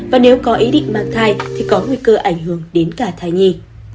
và nếu có ý định mang thai thì có nguy cơ ảnh hưởng đến cả thai nhi